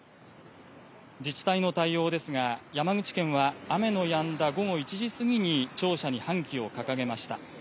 自治体の対応ですが、山口県は雨のやんだ午後１時過ぎに庁舎に半旗を掲げました。